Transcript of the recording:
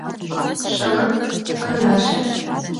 — Шымыт, кандаше...